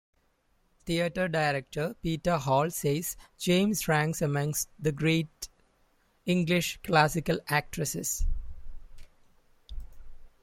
Theatre director Peter Hall says James ranks amongst the great English classical actresses.